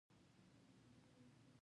د غور جام منار د قرآن آیتونه لري